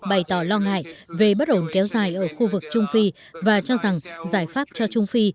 bày tỏ lo ngại về bất ổn kéo dài ở khu vực trung phi và cho rằng giải pháp cho trung phi